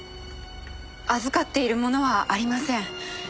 預かっているものはありません。